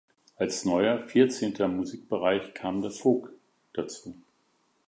Als neuer, vierzehnter Musikbereich kam der "Folk" dazu.